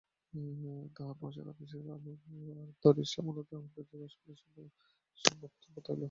তাঁহার প্রসাদে আকাশের আলোক আর ধরণীর শ্যামলতা আমার কাছে রাজসম্পদ হইয়া উঠিল।